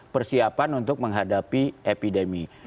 sesiapa untuk menghadapi epidemik